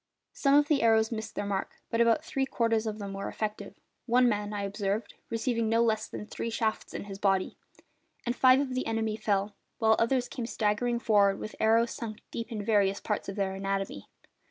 Some of the arrows missed their mark, but about three quarters of them were effective one man, I observed, receiving no less than three shafts in his body and five of the enemy fell, while others came staggering forward with arrows sunk deep in various parts of their anatomy.